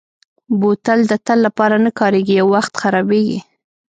بوتل د تل لپاره نه کارېږي، یو وخت خرابېږي.